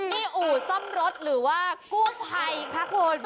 พี่อู๋ซ่อมรถหรือว่ากู้ไภค่ะคุณ